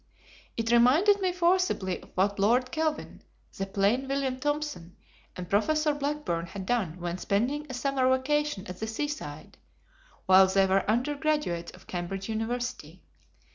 It reminded me forcibly of what Lord Kelvin, then plain William Thompson, and Professor Blackburn had done when spending a Summer vacation at the seaside, while they were undergraduates of Cambridge University.